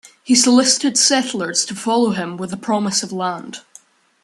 He solicited settlers to follow him with the promise of land.